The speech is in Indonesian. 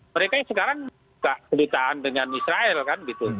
mereka yang sekarang keperluan dengan israel kan gitu